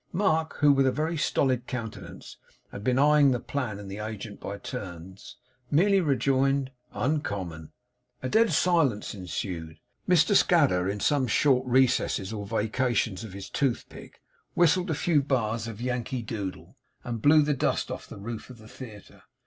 Mark, who, with a very stolid countenance had been eyeing the plan and the agent by turns, merely rejoined 'Uncommon!' A dead silence ensued, Mr Scadder in some short recesses or vacations of his toothpick, whistled a few bars of Yankee Doodle, and blew the dust off the roof of the Theatre.